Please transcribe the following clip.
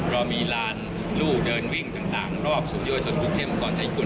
เรามีร้านลูกเดินวิ่งต่างรอบสูงเยื่อยจนกลุ่มเข้มก่อนในญี่ปุ่น